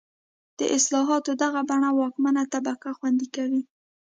د اصلاحاتو دغه بڼه واکمنه طبقه خوندي کوي.